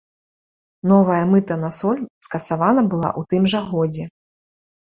Новая мыта на соль скасавана была ў тым жа годзе.